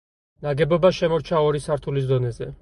ნაგებობა შემორჩა ორი სართულის დონეზე.